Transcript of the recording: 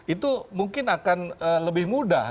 itu mungkin akan lebih mudah